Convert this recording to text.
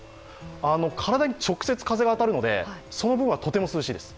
体に直接風が当たるので、その分はとても涼しいです。